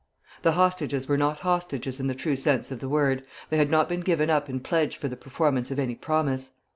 The hostages were not hostages in the true sense of the word; they had not been given up in pledge for the performance of any promise.